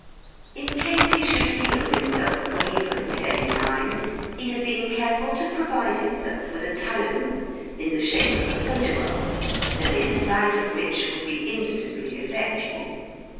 In case he should feel himself wavering at any time, he had been careful to provide himself with a talisman in the shape of a photograph, the mere sight of which would be instantly effectual.